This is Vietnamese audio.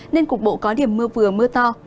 nên cục bộ có điểm mưa vừa mưa to